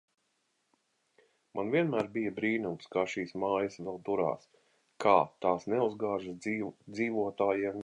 Man vienmēr bija brīnums, kā šīs mājas vēl turās, kā tās neuzgāžās dzīvotājiem virsū.